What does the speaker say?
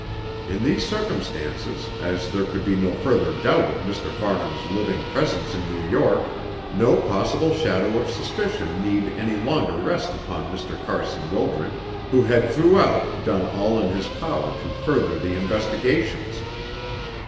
In these circumstances, as there could be no further doubt of Mr. Farnham's living presence in New York, no possible shadow of suspicion need any longer rest upon Mr. Carson Wildred, who had throughout done all in his power to further the investigations.